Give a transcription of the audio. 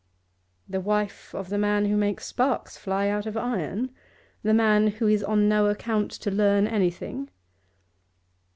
'The wife of the man who makes sparks fly out of iron? The man who is on no account to learn anything?